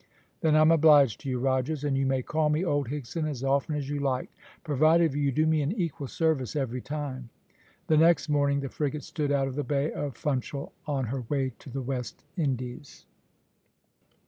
"Then I'm obliged to you, Rogers, and you may call me old Higson as often as you like, provided you do me an equal service every time." The next morning the frigate stood out of the Bay of Funchal on her way to the West Indies.